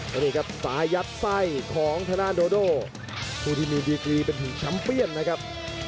แล้วนี่ครับซ้ายัดไส้ของทางด้านโดโดผู้ที่มีดีกรีเป็นถึงแชมป์เปี้ยนนะครับ